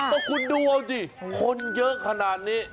ก็คุณดูเอาสิคนเยอะขนาดนี้